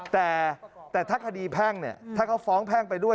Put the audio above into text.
แต่ถ้าคดีแพ่งเนี่ยถ้าเขาฟ้องแพ่งไปด้วย